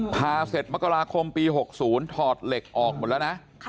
เสร็จมกราคมปี๖๐ถอดเหล็กออกหมดแล้วนะ